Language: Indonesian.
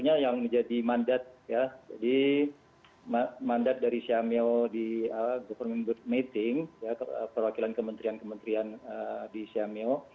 yang menjadi mandat dari siamio di government meeting perwakilan kementerian kementerian di siamio